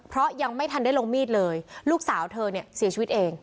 เพราะยังไม่ทันได้ลงมีดเลยลูกสาวเธอเนี่ยเสียชีวิตเอง